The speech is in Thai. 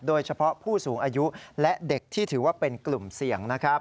โดยเฉพาะผู้สูงอายุและเด็กที่ถือว่าเป็นกลุ่มเสี่ยงนะครับ